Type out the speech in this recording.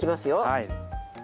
はい。